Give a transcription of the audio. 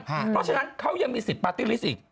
เพราะฉะนั้นเขายังมี๑๐ปาร์ติฟิศอีก